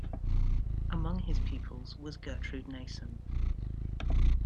Among his pupils was Gertrude Nason.